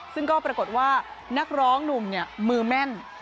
ซึ่งก็ปรากฏว่านักร้องหนุ่มมือแม่น